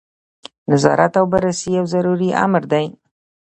نظارت او بررسي یو ضروري امر دی.